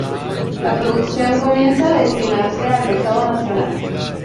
La producción comienza a destinarse al mercado nacional.